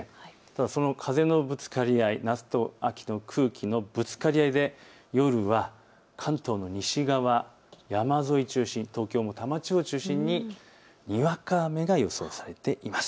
その風のぶつかり合い、夏と秋の空気のぶつかり合いで夜は関東の西側、山沿いを中心に東京の多摩地方を中心に、にわか雨が予想されています。